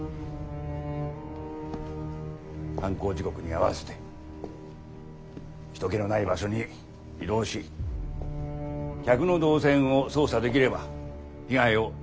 犯行時刻に合わせて人けのない場所に移動し客の動線を操作できれば被害を最小限に抑えることができる。